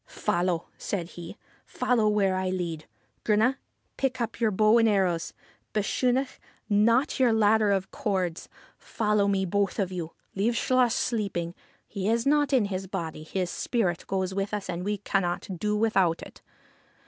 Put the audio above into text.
' Follow !' said he ;' follow where I lead. Grunne, pick up your bow and arrows; Bechunach, knot your ladder of cords. Follow me, both of you. Leave Chluas sleeping : he is not in his body ; his spirit goes with us, and we cannot do without it.'